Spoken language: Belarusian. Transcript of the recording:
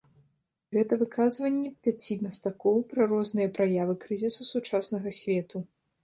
Гэта выказванні пяці мастакоў пра розныя праявы крызісу сучаснага свету.